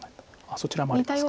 そちらもありますか。